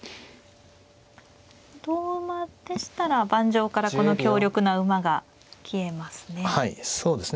同馬でしたら盤上からこの強力な馬が消えますね。